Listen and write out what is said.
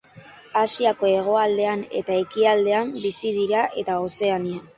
Asiako hegoaldean eta ekialdean bizi dira eta Ozeanian.